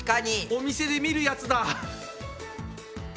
お店で見るやつだ！